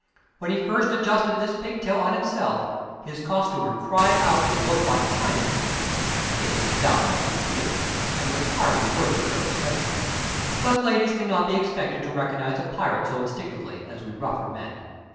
When he first adjusted this pigtail on himself, his costumer cried out that he looked like a Chinaman. This was downright stupidity and was hardly worthy of her perception; but ladies cannot be expected to recognize a pirate so instinctively as we rougher men.